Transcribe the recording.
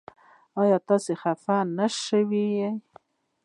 ایا تاسو خفه نه شوئ؟